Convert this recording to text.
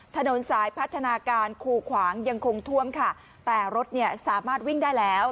ถนนสายพัฒนาการคูขวางยังคงท่วมค่ะแต่รถเนี่ยสามารถวิ่งได้แล้ว